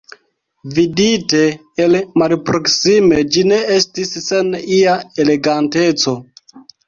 Vidite el malproksime, ĝi ne estis sen ia eleganteco.